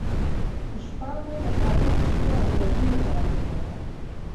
شپه مو له خوږو کیسو او یادونو سره تېره کړه.